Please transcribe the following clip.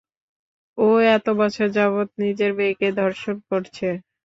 ও এতবছর যাবৎ নিজের মেয়েকে ধর্ষণ করছে!